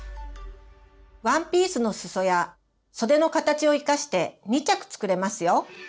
ワンピースのすそや袖の形を生かして２着作れますよ。